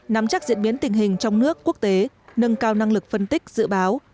nắm chắc diễn biến tình hình trong nước quốc tế nâng cao năng lực phân tích dự báo